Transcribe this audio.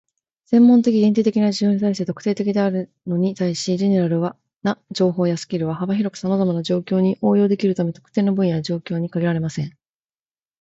専門的、限定的な事象に対して「特定的」であるのに対し、"general" な情報やスキルは幅広くさまざまな状況に応用できるため、特定の分野や状況に限られません。